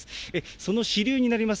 その支流になります